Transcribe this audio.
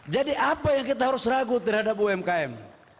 jadi apa yang kita harus ragu terhadap umkm